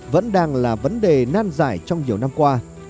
vẫn đang là vấn đề nan giải trong nhiều năm qua